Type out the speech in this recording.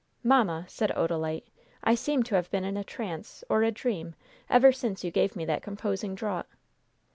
"Mamma," said Odalite, "I seem to have been in a trance, or a dream, ever since you gave me that composing draught!